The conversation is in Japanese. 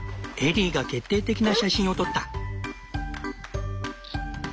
エリーが決定的な写真を撮った。